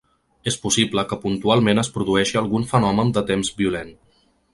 És possible que puntualment es produeixi algun fenomen de temps violent.